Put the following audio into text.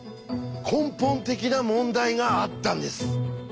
根本的な問題があったんです。